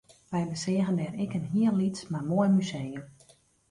Wy beseagen dêr ek in hiel lyts mar moai museum